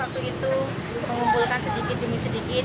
waktu itu mengumpulkan sedikit demi sedikit